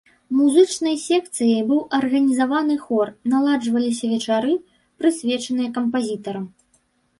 Музычнай секцыяй быў арганізаваны хор, наладжваліся вечары, прысвечаныя кампазітарам.